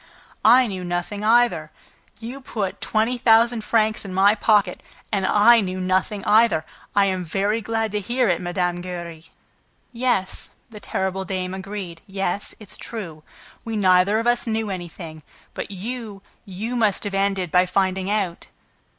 "I knew nothing either! You put twenty thousand francs in my pocket and I knew nothing either! I am very glad to hear it, Mme. Giry!" "Yes," the terrible dame agreed, "yes, it's true. We neither of us knew anything. But you, you must have ended by finding out!"